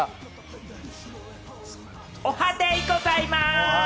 おはデイございます！